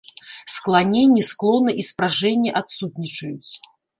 Скланенні, склоны і спражэнні адсутнічаюць.